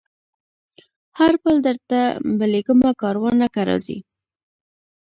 هر پل درته بلېږمه کاروانه که راځې